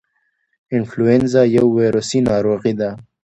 انفلونزا یو ویروسي ناروغي ده